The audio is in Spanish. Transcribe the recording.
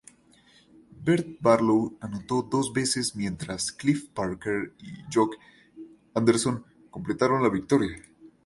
Bert Barlow anotó dos veces mientras Cliff Parker y Jock Anderson completaron la victoria.